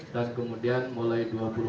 dan kemudian mulai